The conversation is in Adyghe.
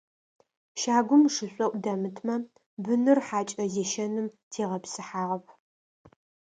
Щагум шышӏоӏу дэмытмэ, быныр хьакӏэ зещэным тегъэпсыхьагъэп.